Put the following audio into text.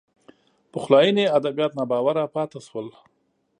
پخلاینې ادبیات ناباوره پاتې شول